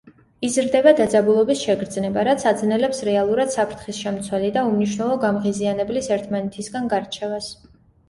იზრდება დაძაბულობის შეგრძნება, რაც აძნელებს რეალურად საფრთხის შემცველი და უმნიშვნელო გამღიზიანებლის ერთმანეთისგან გარჩევას.